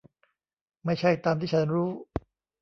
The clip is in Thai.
ไม่ใช่ตามที่ฉันรู้